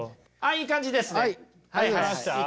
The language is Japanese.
いい感じですね！